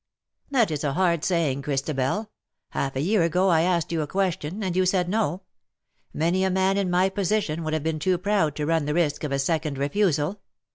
^^ That is a hard saying, Christabel. Half a year ago I asked you a question, and you said no. Many a man in my position would have been too proud to run the risk of a second refusal.